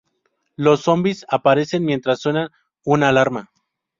Los zombis aparecen mientras suena una alarma.